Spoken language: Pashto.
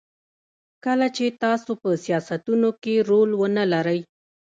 کله چې تاسو په سیاستونو کې رول ونلرئ.